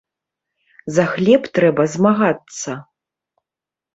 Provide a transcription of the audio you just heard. За хлеб трэба змагацца!